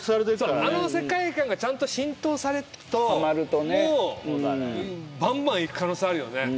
あの世界観がちゃんと浸透されるともうばんばんいく可能性あるよね。